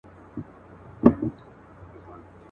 دا نور وزېږي، زلمي سي، بیا زاړه سي.